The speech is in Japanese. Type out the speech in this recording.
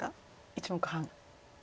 １目半。